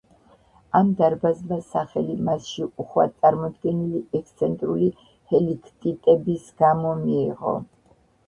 ამ დარბაზმა სახელი მასში უხვად წარმოდგენილი ექსცენტრული ჰელიქტიტების გამო მიიღო.